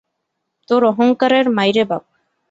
তোর অহংকারের মাইরে বাপ!